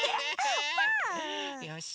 よし！